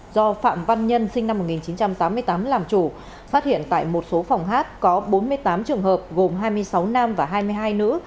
do phạm văn nhân sinh năm một nghìn chín trăm tám mươi tám làm chủ phát hiện tại một số phòng hát có bốn mươi tám trường hợp gồm hai mươi sáu nam và hai mươi hai nữ